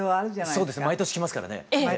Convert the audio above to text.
そうですね毎年来ますからね。